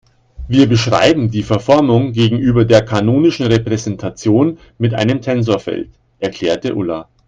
Wir beschreiben die Verformung gegenüber der kanonischen Repräsentation mit einem Tensorfeld, erklärte Ulla.